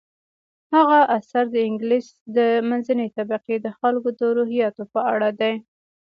هغه اثر د انګلیس د منځنۍ طبقې د خلکو د روحیاتو په اړه دی.